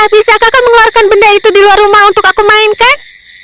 bisakah kau mengeluarkan benda itu di luar rumah untuk aku mainkan